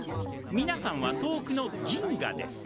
みなさんは遠くの銀河です。